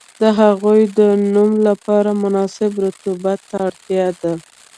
د هغوی د نمو لپاره مناسب رطوبت ته اړتیا ده.